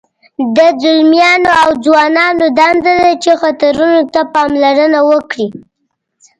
د ځلمیانو او ځوانانو دنده ده چې خطرونو ته پاملرنه وکړي.